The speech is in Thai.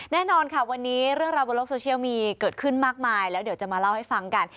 แน่นอนค่ะวันนี้เรื่องราวบนโลกโซเชียลมีเกิดขึ้นมากมายแล้วเดี๋ยวจะมาเล่าให้ฟังกัน